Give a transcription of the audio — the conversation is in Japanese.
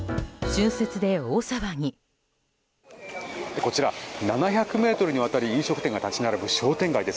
こちら、７００ｍにわたり飲食店が立ち並ぶ商店街です。